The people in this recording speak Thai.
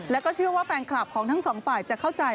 แล้วก็เชื่อว่าแฟนคลับของทั้งสองฝ่ายจะเข้าใจ